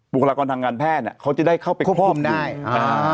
บุคลากรทางการแพทย์เขาจะได้เข้าไปคุมอยู่